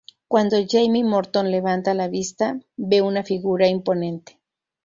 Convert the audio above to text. Cuando Jamie Morton levanta la vista ve una figura imponente.